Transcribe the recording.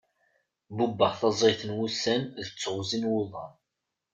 Bubbeɣ taẓayt n wussan d teɣzi n wuḍan.